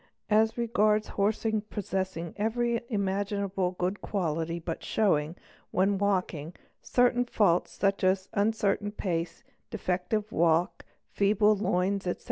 : As regards horses possessing every imaginable good quality but show ing when walking certain faults, such as uncertain pace, defective walk, _ feeble loins, etc.